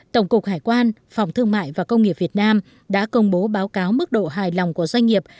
tổng cục hải quan phòng thương mại và công nghiệp việt nam đã công bố báo cáo mức độ hài lòng của doanh nghiệp